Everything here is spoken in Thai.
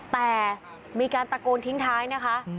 แต่มีการตะโกนทิ้งท้ายนะคะ